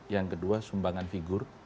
yang ketiga sumbangan figur